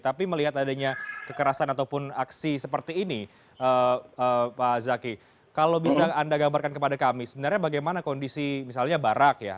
tapi melihat adanya kekerasan ataupun aksi seperti ini pak zaki kalau bisa anda gambarkan kepada kami sebenarnya bagaimana kondisi misalnya barak ya